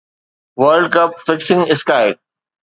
world cup fixing sky